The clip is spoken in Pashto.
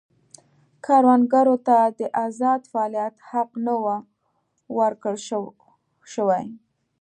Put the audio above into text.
کروندګرو ته د ازاد فعالیت حق نه و ورکړل شوی.